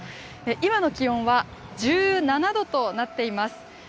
今の気温は１７度となっています。